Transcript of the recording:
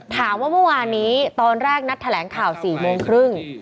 เมื่อวานนี้ตอนแรกนัดแถลงข่าว๔โมงครึ่ง